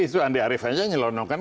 isu andi arief aja nyelonongkan